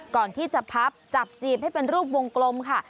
ก่อนที่จะพับจับจีบให้เป็นรูปวงกลมค่ะ